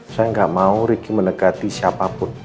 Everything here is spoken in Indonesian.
saya gak mau riki menegati siapapun